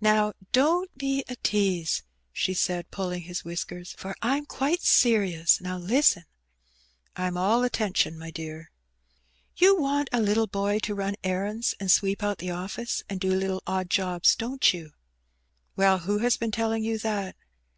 "Now, don^t be a tease," she said, pulling his whiskersi, "for Fm quite serious. Now listen." "I'm all attention, my dear." " You want a little boy to run errands and sweep out the office^ and do little odd jobs, don't you ?" "Well, who has been telling you that?'